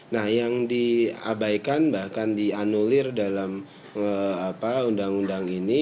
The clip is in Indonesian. nah yang diabaikan bahkan dianulir dalam undang undang ini